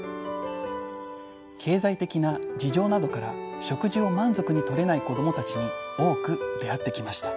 経済的な事情などから食事を満足にとれない子どもたちに多く出会ってきました。